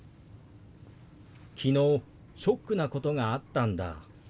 「昨日ショックなことがあったんだ」。